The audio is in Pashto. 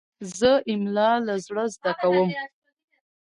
زه املا له زړه زده کوم.